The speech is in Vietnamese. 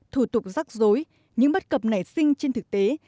thủ tục rắc rối những bất cập nảy sinh trên thực tế